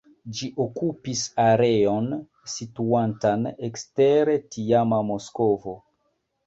Ĝi okupis areon situantan ekster tiama Moskvo.